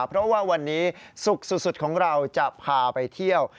เพราะว่าวันนี้ศุกร์สุดของเราจะพาไปเที่ยว